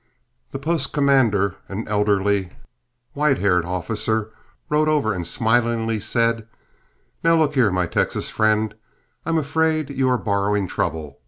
The post commander, an elderly, white haired officer, rode over and smilingly said: "Now, look here, my Texas friend, I'm afraid you are borrowing trouble.